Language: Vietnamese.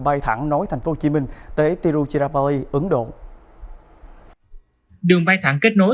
bay thẳng nối thành phố hồ chí minh tới tiruchirapalli ấn độ đường bay thẳng kết nối